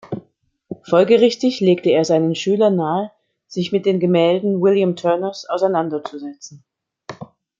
Folgerichtig legte er seinen Schülern nahe, sich mit den Gemälden William Turners auseinanderzusetzen.